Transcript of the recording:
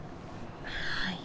はい。